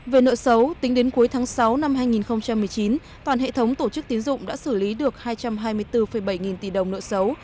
về nợ xấu tính đến cuối tháng sáu năm hai nghìn một mươi chín toàn hệ thống tổ chức tín dụng đã xử lý được hai trăm hai mươi bốn bảy nghìn tỷ đồng nợ xấu